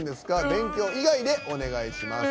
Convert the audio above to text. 勉強意外でお願いします。